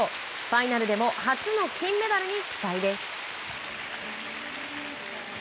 ファイナルでも初の金メダルに期待です。